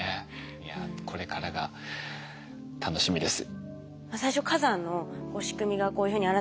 いやこれからが楽しみです。